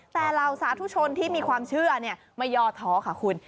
แต่เหล่าสาธุชนที่มีความเชื่อไม่ย่อท้อค่ะคุณ